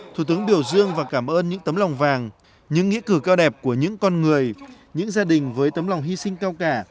thủ tướng biểu dương và cảm ơn những tấm lòng vàng những nghĩa cử cao đẹp của những con người những gia đình với tấm lòng hy sinh cao cả